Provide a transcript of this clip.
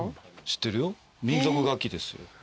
知ってるよ民族楽器です。